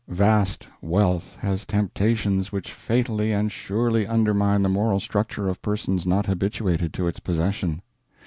Vast wealth has temptations which fatally and surely undermine the moral structure of persons not habituated to its possession.